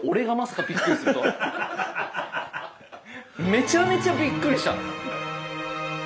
めちゃめちゃびっくりした。